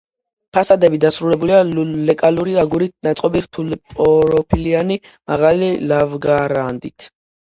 ფასადები დასრულებულია ლეკალური აგურით ნაწყობი, რთულპროფილიანი, მაღალი ლავგარდანით.